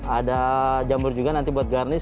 ada jamur juga nanti buat garnis